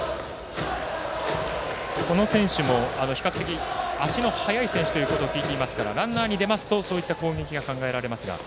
この選手も比較的足の速い選手ということを聞いていますからランナーに出ますとそういった攻撃が考えられますが。